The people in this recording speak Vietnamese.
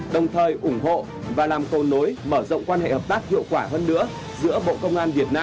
đồng thời ủng hộ và làm cầu nối mở rộng quan hệ hợp tác hiệu quả hơn nữa giữa bộ công an việt nam